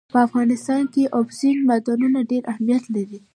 په افغانستان کې اوبزین معدنونه ډېر اهمیت لري.